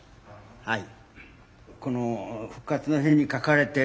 はい。